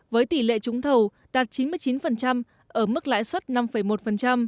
với tỷ lệ trúng thầu đạt chín mươi chín ở mức lãi suất năm một